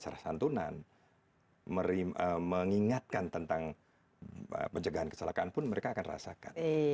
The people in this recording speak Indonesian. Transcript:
bicara bahasa santunan mengingatkan tentang pencegahan kesalahan pun mereka akan merasakan